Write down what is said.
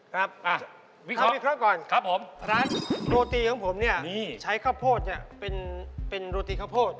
ครับทำอีกครั้งก่อนร้านโรตีของผมนี่ใช้ข้าวโพดนี่เป็นโรตีข้าวโพด